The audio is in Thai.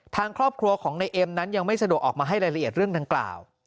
ทางครอบครัวของในเอ็มนั้นยังไม่สะดวกออกมาให้รายละเอียดเรื่องดังกล่าว